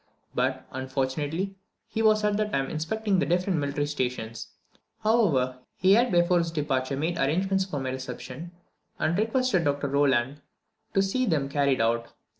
But, unfortunately, he was at that time inspecting the different military stations; however, he had before his departure made arrangements for my reception, and requested Dr. Rolland to see them carried out.